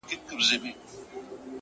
• درته به وايي ستا د ښاريې سندري ـ